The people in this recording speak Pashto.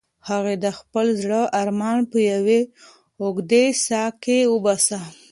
هغې د خپل زړه ارمان په یوې اوږدې ساه کې وباسه.